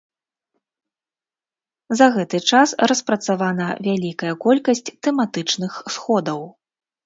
За гэты час распрацавана вялікая колькасць тэматычных сходаў.